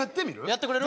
やってくれる？